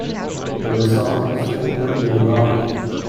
The resort is open year-round.